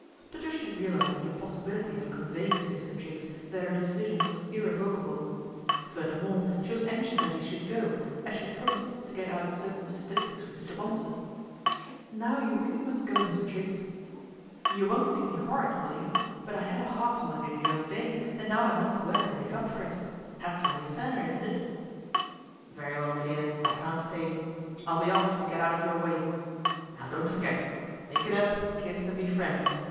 Patricia realised the impossibility of conveying :o Mr. Triggs that her decision was irrevocable, furthermore she was anxious that he should go, is she had promised to get out certain statistics or Mr. Bonsor. "Now you really must go Mr. Triggs. You 208 PATRICIA BRENT, SPINSTER won't think me horrid, will you, but I had a half holiday the other day, and now I must work and make up for it That's only fair, isn't it ?"" Very well, me dear, I can't stay. I'll be off and get out of your way. Now don't forget. Make it up, kiss and be friends.